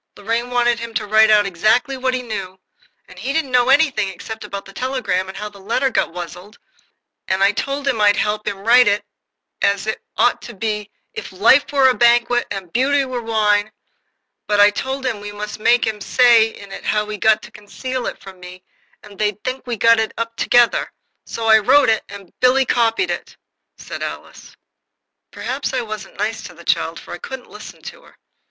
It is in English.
Lorraine wanted him to write out exactly what he knew, and he didn't know anything except about the telegram and how the letter got wuzzled, and I told him I'd help him write it as it ought to be 'if life were a banquet and beauty were wine'; but I told him we must make him say in it how he'd got to conceal it from me, or they'd think we got it up together. So I wrote it," said Alice, "and Billy copied it." Perhaps I wasn't nice to the child, for I couldn't listen to her.